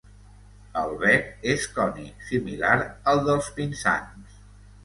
El bec és cònic, similar al dels pinsans.